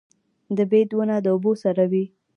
د بید ونه د اوبو سره وي